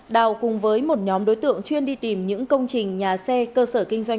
đào cùng với một nhóm đối tượng chuyên đi tìm những công trình nhà xe cơ sở kinh doanh